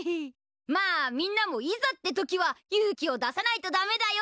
まあみんなもいざって時は勇気を出さないとダメだよ。